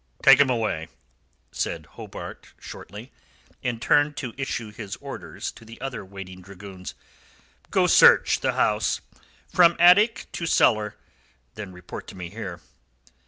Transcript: "Take him away," said Hobart shortly, and turned to issue his orders to the other waiting troopers. "Go search the house, from attic to cellar; then report to me here."